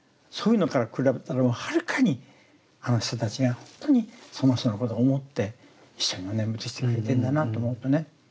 そういうのから比べたらもうはるかにあの人たちが本当にその人のことを思って一緒にお念仏してくれてるんだなぁと思うとね